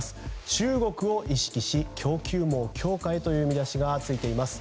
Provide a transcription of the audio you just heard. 中国を意識し、供給網強化へという見出しがついています。